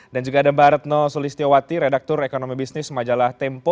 dan juga ada mbak retno solistiyowati redaktur ekonomi bisnis majalah tempo